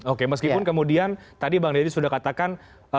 oke meskipun kemudian tadi bang deddy sudah katakan